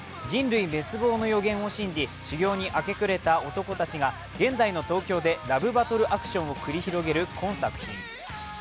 人類滅亡の予言を信じ修行に明け暮れた男たちが現代の東京でラブバトルアクションを繰り広げる今作品。